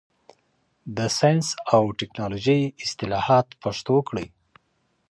د ساینس او ټکنالوژۍ اصطلاحات پښتو کړئ.